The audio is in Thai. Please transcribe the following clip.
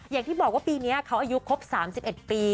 อย่างที่บอกว่าปีนี้เขาอายุครบ๓๑ปี